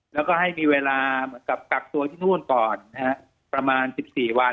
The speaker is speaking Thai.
แล้วก็ให้มีเวลากับตักตัวที่นู่นก่อนประมาณ๑๔วัน